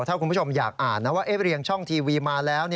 ถ้าคุณผู้ชมอยากอ่านนะว่าเรียงช่องทีวีมาแล้ว